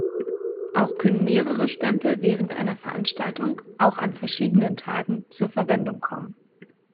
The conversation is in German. Auch können mehrere Stempel während einer Veranstaltung, auch an verschiedenen Tagen, zur Verwendung kommen.